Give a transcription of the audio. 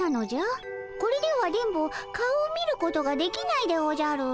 これでは電ボ顔を見ることができないでおじゃる。